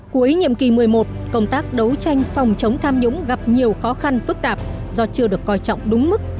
cuối nhiệm kỳ một mươi một công tác đấu tranh phòng chống tham nhũng gặp nhiều khó khăn phức tạp do chưa được coi trọng đúng mức